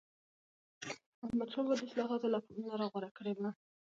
احمدشاه بابا د اصلاحاتو لاره غوره کړې وه.